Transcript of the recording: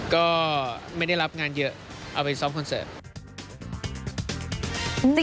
ก็ไม่ได้รับงานเยอะเอาไปซ้อมคอนเสิร์ต